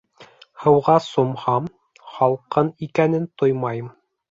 Һыуға сумһам — һалҡын икәнен тоймайым.